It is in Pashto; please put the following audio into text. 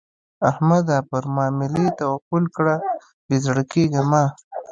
احمده؛ پر ماملې توکل کړه؛ بې زړه کېږه مه.